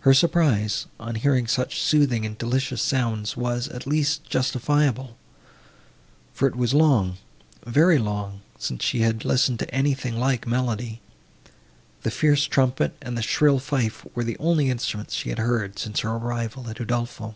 Her surprise, on hearing such soothing and delicious sounds, was, at least, justifiable; for it was long—very long, since she had listened to anything like melody. The fierce trumpet and the shrill fife were the only instruments she had heard, since her arrival at Udolpho.